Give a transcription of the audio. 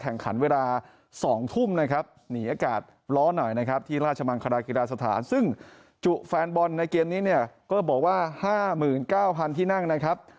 ในเกมนี้เนี่ยก็บอกว่า๕๙๐๐๐ที่นั่งนะครับ